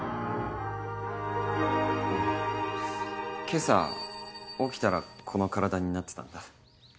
今朝起きたらこの体になってたんだ。